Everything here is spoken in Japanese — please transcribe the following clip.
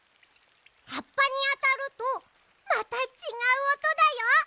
はっぱにあたるとまたちがうおとだよ。